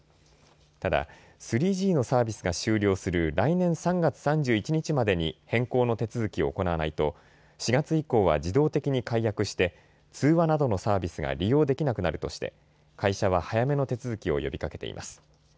ただ３Ｇのサービスが終了する来年３月３１日までに変更の手続きを行わないと４月以降は自動的に解約して通話などのサービスが利用できなくなるとして会社は早めの手続きを呼びかけています。